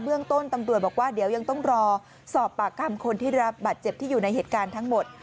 เรื่องต้นตำรวจบอกว่าเดี๋ยวยังต้องรอสอบปากคำคนที่รับบาดเจ็บที่อยู่ในเหตุการณ์ทั้งหมด